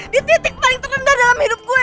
di titik paling terendah dalam hidup gue